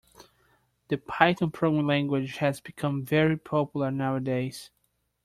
The python programming language has become very popular nowadays